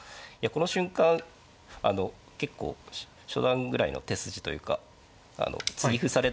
この瞬間結構初段ぐらいの手筋というか継ぎ歩されたら。